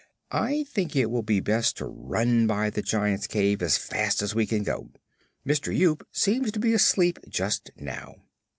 I think it will be best to run by the Giant's cave as fast as we can go. Mister Yoop seems to be asleep just now."